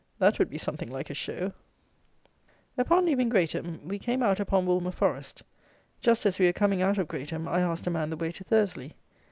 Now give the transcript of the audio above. That would be something like a show! Upon leaving Greatham we came out upon Woolmer Forest. Just as we were coming out of Greatham, I asked a man the way to Thursley.